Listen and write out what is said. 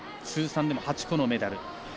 通算でも８個のメダル